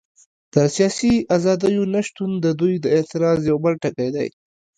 د سیاسي ازادیو نه شتون د دوی د اعتراض یو بل ټکی دی.